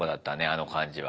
あの感じは。